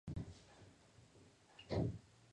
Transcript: El aspecto exterior es el de una fortaleza encalada.